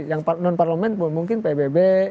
yang non parlemen mungkin pbb